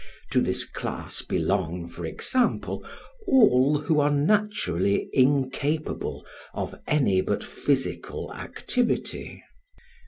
To this class belong, for example, all who are naturally incapable of any but physical activity.